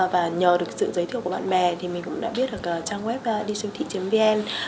và nhờ được sự giới thiệu của bạn bè thì mình cũng đã biết được trang web digion thị vn